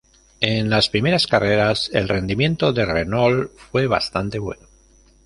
En las primeras carreras, el rendimiento de Renault fue bastante bueno.